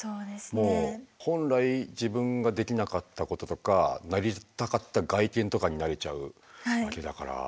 もう本来自分ができなかったこととかなりたかった外見とかになれちゃうわけだから。